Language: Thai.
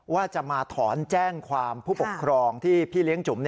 ว่าจะมาถอนแจ้งความผู้ปกครองที่พี่เลี้ยงจุ๋ม